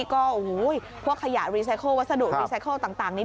ก็พวกขยะรีไซเคิลวัสดุรีไซเคิลต่างนี้